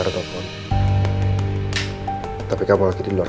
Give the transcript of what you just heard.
aku gak mau ngebahas ya soal mbak nita